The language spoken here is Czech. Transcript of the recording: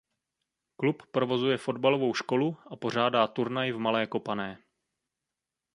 Klub provozuje fotbalovou školu a pořádá turnaj v malé kopané.